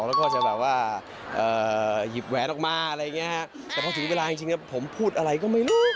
แล้วก็จะแบบว่าหยิบแหวนออกมาอะไรอย่างนี้ฮะแต่พอถึงเวลาจริงผมพูดอะไรก็ไม่รู้